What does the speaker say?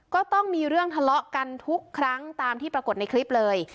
ก็ต้องมีเรื่องทะเลาะกันทุกครั้งตามที่ปรากฏในคลิปเลย